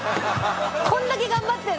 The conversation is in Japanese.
こんだけ頑張ってんのに。